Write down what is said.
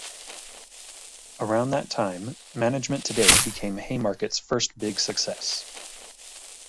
Around that time, "Management Today" became Haymarket's first big success.